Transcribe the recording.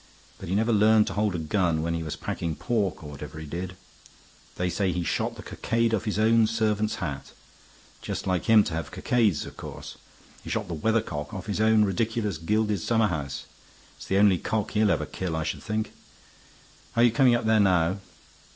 But he never learned to hold a gun when he was packing pork or whatever he did. They say he shot the cockade off his own servant's hat; just like him to have cockades, of course. He shot the weathercock off his own ridiculous gilded summerhouse. It's the only cock he'll ever kill, I should think. Are you coming up there now?"